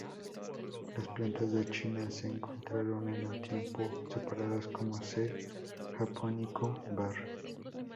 Las plantas de China se encontraron en un tiempo separadas como "C. japonicum var.